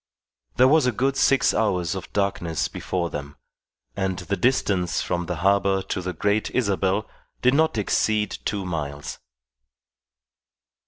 There was a good six hours of darkness before them, and the distance from the harbour to the Great Isabel did not exceed two miles.